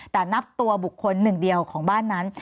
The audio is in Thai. แต่นับตัวบุคคลหนึ่งเดียวของบ้านนั้น